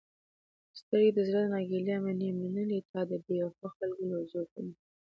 سترګې د زړه نه ګېله منې، منلې تا د بې وفاء خلکو لوظونه